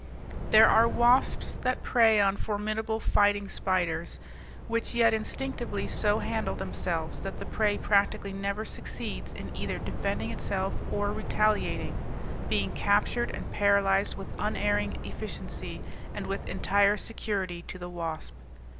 There are wasps that prey on formidable fighting spiders, which yet instinctively so handle themselves that the prey practically never succeeds in either defending itself or retaliating, being captured and paralyzed with unerring efficiency and with entire security to the wasp.